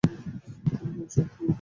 তিনি প্রবাসী পত্রিকায় পাঠান।